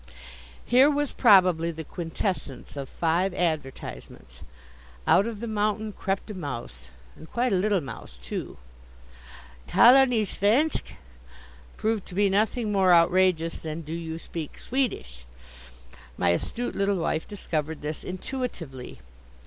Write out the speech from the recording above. Here was probably the quintessence of five advertisements. Out of the mountain crept a mouse, and quite a little mouse, too! "Talar ni svensk?" proved to be nothing more outrageous than "Do you speak Swedish?" My astute little wife discovered this intuitively.